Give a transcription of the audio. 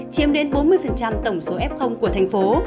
chiếm đến bốn mươi tổng số f của thành phố